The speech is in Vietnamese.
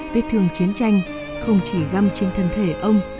vết thương chiến tranh không chỉ găm trên thân thể ông